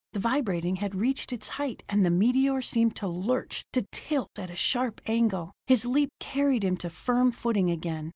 The vibrating had reached its height, and the meteor seemed to lurch, to tilt at a sharp angle. His leap carried him to firm footing again.